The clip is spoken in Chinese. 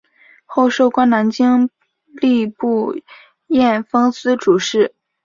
后授官南京吏部验封司主事。